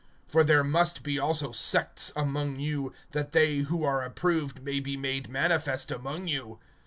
(19)For there must be also sects among you, that they who are approved may be made manifest among you.